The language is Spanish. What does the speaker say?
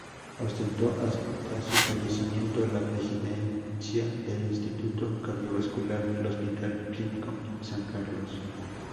Ostentó, hasta su fallecimiento, la presidencia del Instituto Cardiovascular del Hospital Clínico San Carlos.